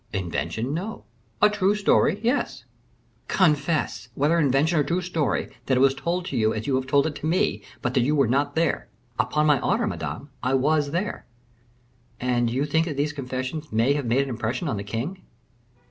"Invention, no; a true story, yes." "Confess, whether invention or true story, that it was told to you as you have told it to me, but that you were not there." "Upon my honor, Madame, I was there." "And you think that these confessions may have made an impression on the king?"